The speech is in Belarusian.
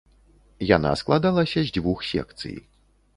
Яна складалася з дзвюх секцый.